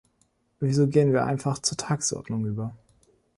Wieso gehen wir einfach zur Tagesordnung über?